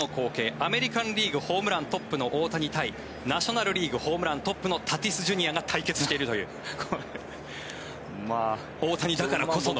アメリカン・リーグホームラントップの大谷対ナショナル・リーグホームラントップタイのタティスＪｒ．が対決しているという大谷だからこその。